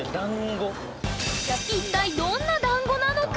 一体どんなだんごなのか？